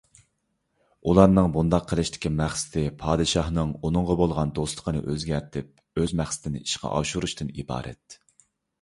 ئۇلارنىڭ بۇنداق قىلىشتىكى مەقسىتى پادىشاھنىڭ ئۇنىڭغا بولغان دوستلۇقىنى ئۆزگەرتىپ، ئۆز مەقسىتىنى ئىشقا ئاشۇرۇشتىن ئىبارەت.